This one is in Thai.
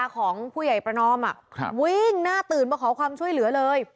ของผู้ใหญ่ประนอมวิ่งหน้าตื่นมาขอความช่วยเหลือเลย